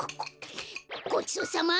ごちそうさま！